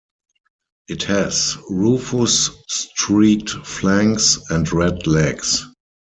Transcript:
It has rufous-streaked flanks and red legs.